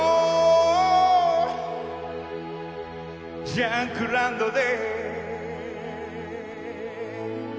「ジャンクランドで」